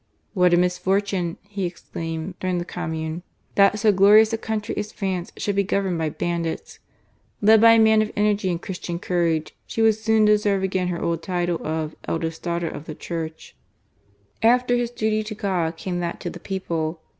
"What a misfortune," he exclaimed during the Commune, " that so glorious a country as France should be governed by bandits. Led by a man of energy and Christian courage, she would soon deserve again her old title of Eldest Daughter of the Church." After his duty to God, came that to the people.